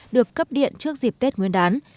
được cấp điện trước dịp tết nguyên đán